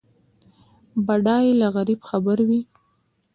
بډای له غریب خبر وي.